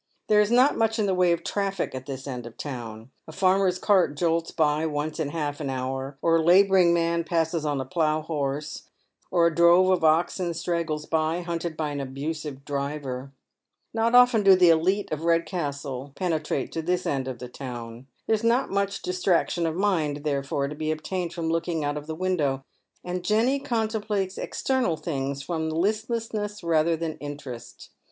There is not much in the way of traffic at this end of the town. A farmer's cart jolts by once in half an hour, or a labouring man passes on a plough horse, or a drove of oxen straggles by, hunted by an abusive driver. Not often do the elite of Redcastle pene trate to this end of the town. There is not much distraction of mind, therefore, to be obtained from looking out of the window, and Jenny contemplates external things fi"om listlessness rather than interest.